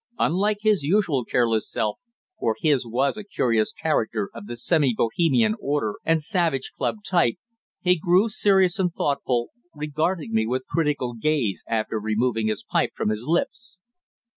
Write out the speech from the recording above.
Unlike his usual careless self for his was a curious character of the semi Bohemian order and Savage Club type he grew serious and thoughtful, regarding me with critical gaze after removing his pipe from his lips.